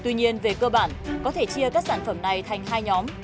tuy nhiên về cơ bản có thể chia các sản phẩm này thành hai nhóm